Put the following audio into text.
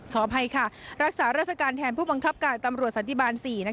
ขออภัยค่ะรักษาราชการแทนผู้บังคับการตำรวจสันติบาล๔